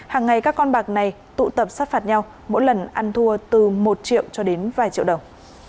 hàng ngày các con bạc này tụ tập sát phạt nhau mỗi lần ăn thua từ một triệu cho đến vài triệu đồng